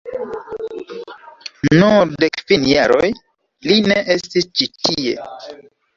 Nur de kvin jaroj li ne estis ĉi tie.